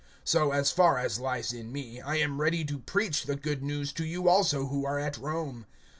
(15)So, as far as lies in me, I am ready to preach the good news to you also who are at Rome.